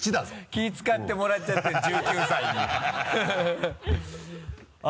気ぃ使ってもらっちゃって１９歳にハハハ